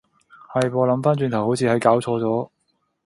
係噃，諗返轉頭好似係攪錯咗